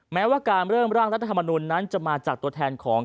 แม้ว่าการเริ่มร่างรัฐธรรมนุนนั้นจะมาจากตัวแทนของ